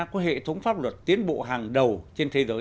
có hệ thống pháp luật tiến bộ hàng đầu trên thế giới